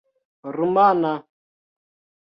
rumana